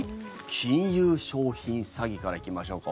金融商品詐欺から行きましょうか。